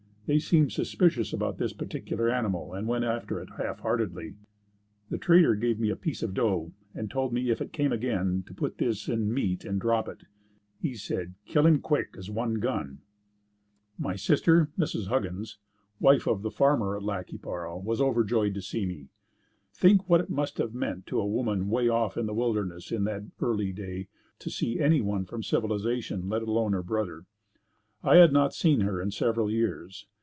They seemed suspicious about this particular animal, and went after it half heartedly. The trader gave me a piece of dough and told me if it came again to put this in meat and drop it. He said "Kill him quick as one gun." My sister, Mrs. Huggins, wife of the farmer at Lac qui Parle, was overjoyed to see me. Think what it must have meant to a woman way off in the wilderness in that early day to see anyone from civilization, let alone her brother. I had not seen her in several years.